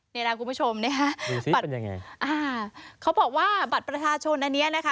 ในราวคุณผู้ชมนะครับเขาบอกว่าบัตรประชาชนอันนี้นะคะ